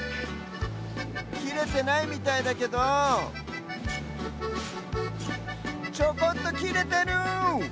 きれてないみたいだけどちょこっときれてる！